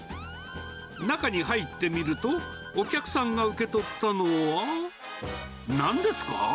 中に入ってみると、お客さんが受け取ったのは、なんですか？